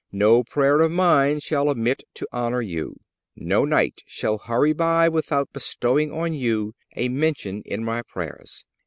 No prayer of mine shall omit to honor you. No night shall hurry by without bestowing on you a mention in my prayers.